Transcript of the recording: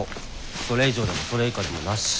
それ以上でもそれ以下でもなし。